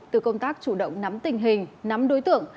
từ công tác chủ động nắm tình hình nắm đối tượng